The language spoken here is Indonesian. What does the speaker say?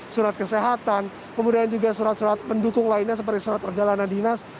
surat kesehatan kemudian juga surat surat pendukung lainnya seperti surat perjalanan dinas